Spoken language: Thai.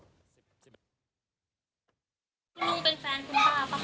คุณลูเป็นแฟนคุณป้าปะ